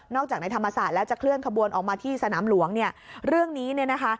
จากในธรรมศาสตร์แล้วจะเคลื่อนขบวนออกมาที่สนามหลวงเนี่ยเรื่องนี้เนี่ยนะคะ